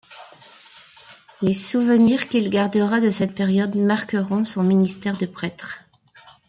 Les souvenirs qu'il gardera de cette période marqueront son ministère de prêtre.